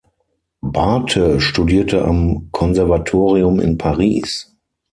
Barthe studierte am Konservatorium in Paris.